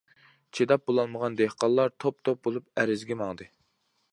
چىداپ بولالمىغان دېھقانلار توپ- توپ بولۇپ ئەرزگە ماڭدى.